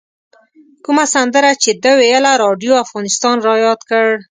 کومه سندره چې ده ویله راډیو افغانستان رایاد کړ.